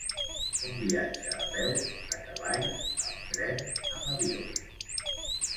Un viatge a peu, a cavall, amb tren, amb avió.